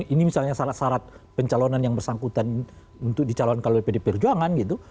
ini misalnya syarat syarat pencalonan yang bersangkutan untuk dicalonkan oleh pd perjuangan gitu